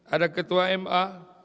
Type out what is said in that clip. ada ketua ma